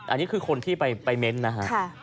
อันนี้คือคนที่ไปเม้นต์นะฮะ